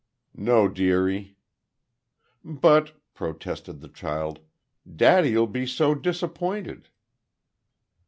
"No, dearie." "But," protested the child, "daddy'll be so disappointed!"